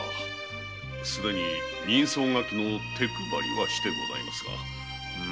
「人相書き」の手配りはしてございますが。